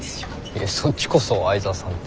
いやそっちこそ相澤さんって。